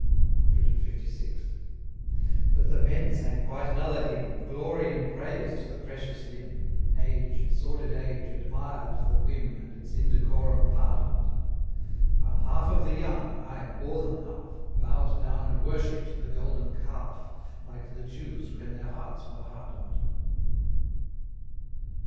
CLVI. But the men sang quite another hymn Of glory and praise to the precious Limb Age, sordid Age, admired the whim And its indecorum pardon'd While half of the young ay, more than half Bow'd down and worshipp'd the Golden Calf, Like the Jews when their hearts were harden'd.